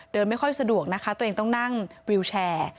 ไม่ค่อยสะดวกนะคะตัวเองต้องนั่งวิวแชร์